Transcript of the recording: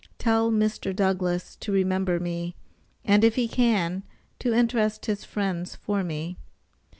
Tell Mr. Douglass to remember me, and if he can, to interest his friends for me.